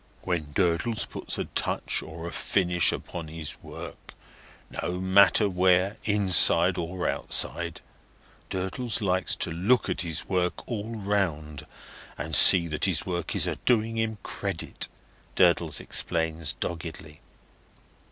"When Durdles puts a touch or a finish upon his work, no matter where, inside or outside, Durdles likes to look at his work all round, and see that his work is a doing him credit," Durdles explains, doggedly.